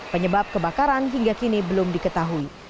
penyebab kebakaran hingga kini belum diketahui